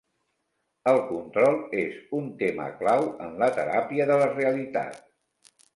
El control és un tema clau en la teràpia de la realitat.